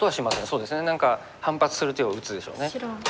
そうですね何か反発する手を打つでしょうね。